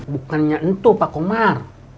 bukannya itu pak omar